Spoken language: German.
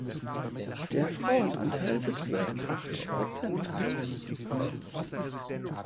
Der Frauenanteil beträgt acht Prozent.